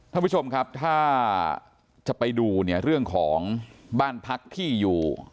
ท่านผู้ชมครับถ้าจะไปดูเนี่ยเรื่องของบ้านพักที่อยู่